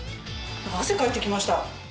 汗かいて来ました。